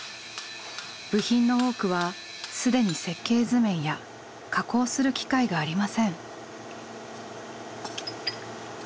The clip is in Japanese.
部品の多くは既に設計図面や加工する機械がありません。